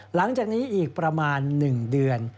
หลังจากนี้อีกประมาณ๑เดือน